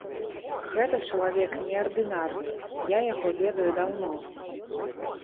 Гэта чалавек неардынарны, я яго ведаю даўно.